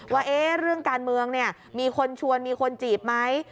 ว่าเรื่องการเมืองมีคนชวนมีคนจีบไหม